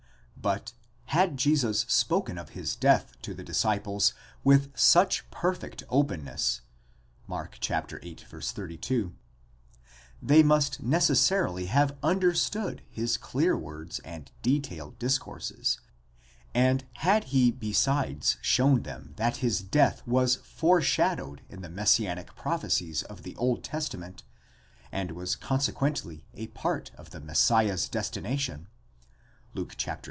But had Jesus spoken of his death to the disciples with such perfect openness (παῤῥησίᾳ, Mark viii. 32), they must necessarily have understood his clear words and detailed discourses, and had he besides shown them that his death was foreshadowed in the messianic prophecies of the Old Testament, and was consequently a part of the Messiah's destination (Luke xviii.